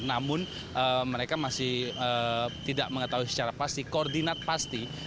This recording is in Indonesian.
namun mereka masih tidak mengetahui secara pasti koordinat pasti